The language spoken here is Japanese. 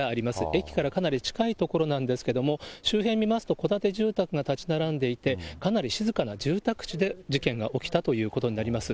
駅からかなり近い所なんですけれども、周辺見ますと、戸建て住宅が建ち並んでいて、かなり静かな住宅地で、事件が起きたということになります。